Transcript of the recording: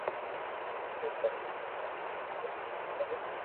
تو ڪرپا ڪرين پرماتما رو سمرن ڪرو